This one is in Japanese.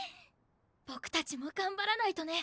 ボクたちも頑張らないとね。